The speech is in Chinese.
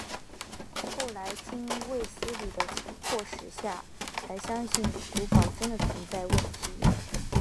后来经卫斯理的迫使下才相信古堡真的存在问题。